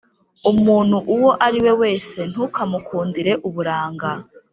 Umuntu uwo ari we wese ntukamukundire uburanga,